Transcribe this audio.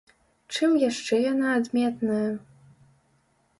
Чым яшчэ яна адметная?